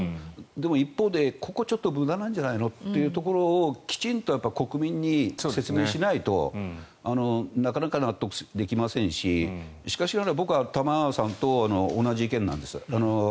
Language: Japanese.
でも一方で、ここはちょっと無駄なんじゃないのってところをきちんと国民に説明しないとなかなか納得できませんししかしながら、僕は玉川さんと同じ意見なんです。